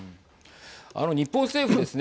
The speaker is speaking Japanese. あの日本政府ですね